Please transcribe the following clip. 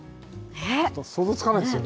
想像つかないですよね。